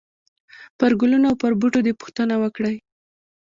پرګلونو او پر بوټو دي، پوښتنه وکړئ !!!